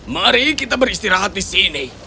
mari kita beristirahat di sini